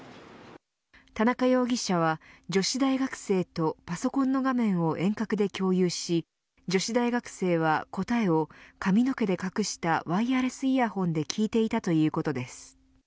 田中容疑者は女子大学生とパソコンの画面を遠隔で共有し女子大学生は答えを髪の毛で隠したワイヤレスイヤホンで聞いていたということです。